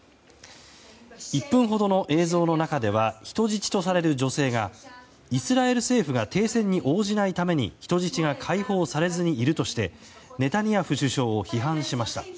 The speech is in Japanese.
１分ほどの映像の中では人質とされる女性がイスラエル政府が停戦に応じないために人質が解放されずにいるとしてネタニヤフ首相を批判しました。